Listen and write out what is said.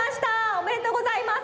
おめでとうございます。